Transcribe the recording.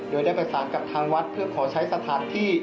โดยได้ประสานกับทางวัดเพื่อขอใช้สถานที่